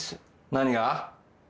何が？